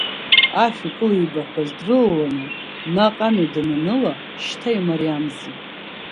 Ашә икылибаҳәоз дрылаланы, наҟ амҩа дананыла, шьҭа имариамзи.